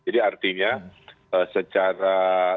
jadi artinya secara